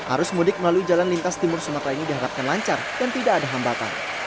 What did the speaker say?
arus mudik melalui jalan lintas timur sumatera ini diharapkan lancar dan tidak ada hambatan